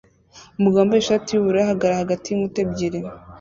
Umugabo wambaye ishati yubururu ahagarara hagati yinkuta ebyiri